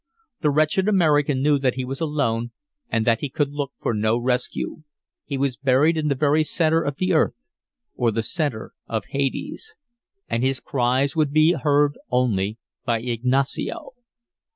The wretched American knew that he was alone and that he could look for no rescue. He was buried in the very centre of the earth or the centre of hades. And his cries would be heard only by Ignacio.